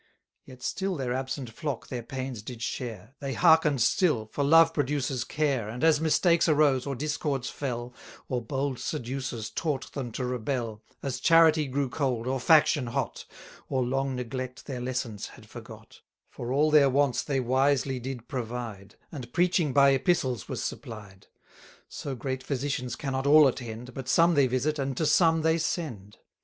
Yet still their absent flock their pains did share; They hearken'd still, for love produces care, And, as mistakes arose, or discords fell, 330 Or bold seducers taught them to rebel, As charity grew cold, or faction hot, Or long neglect their lessons had forgot, For all their wants they wisely did provide, And preaching by epistles was supplied: So great physicians cannot all attend, But some they visit, and to some they send.